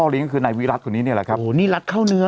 นี้คือนายวิรัสตัวนี้เนี้ยแหละครับโหนี่รัสเข้าเนื้อ